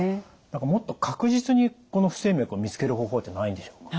何かもっと確実にこの不整脈を見つける方法ってないんでしょうか？